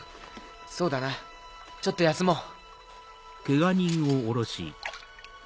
そうだなちょっと休もう。